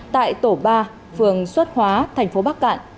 tại tổ ba phường xuất hóa thành phố bắc cạn